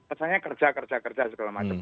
pesannya kerja kerja kerja segala macam